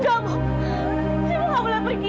ibu nggak boleh pergi